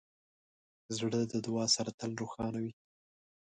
زړه د دعا سره تل روښانه وي.